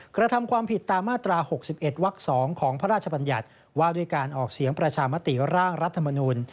กระทำความผิดตามมาตรา๖๑วัก๒ของพระราชบัญญัติว่าด้วยการออกเสียงประชามติร่างรัฐมนุน